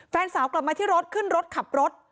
แฟนสาวกลับมาที่รถขึ้นรถขับรถ